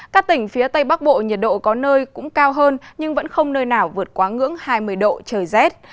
các tỉnh phía tây bắc bộ nhiệt độ có nơi cũng cao hơn nhưng vẫn không nơi nào vượt quá ngưỡng hai mươi độ trời rét